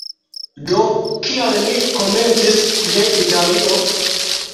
Do kial mi komencis de Italio?